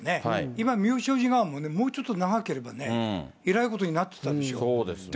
今、妙正寺川もね、もうちょっと長ければね、えらいことになってたでしょ。